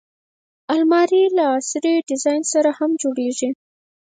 الماري له عصري ډیزاین سره هم جوړیږي